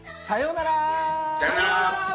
さようなら。